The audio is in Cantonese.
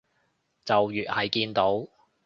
就越係見到